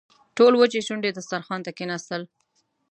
ټول وچې شونډې دسترخوان ته کښېناستل.